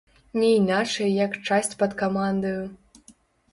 Не іначай як часць пад камандаю!